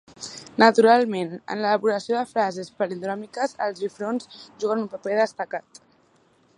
Naturalment, en l'elaboració de frases palindròmiques els bifronts juguen un paper destacat.